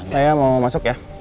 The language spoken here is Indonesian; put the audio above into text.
saya mau masuk ya